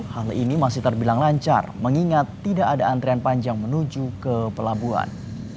hal ini masih terbilang lancar mengingat tidak ada antrian panjang menuju ke pelabuhan